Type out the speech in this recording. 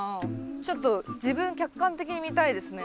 ちょっと自分客観的に見たいですね。